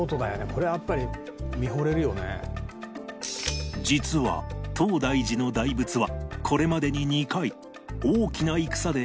これはやっぱり実は東大寺の大仏はこれまでに２回大きな戦で被災してしまっている